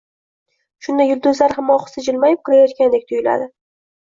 Shunda yulduzlar ham ohista jilmayib kulayotgandek tuyuladi.